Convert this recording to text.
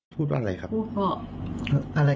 อ๋อพูดแค่นี้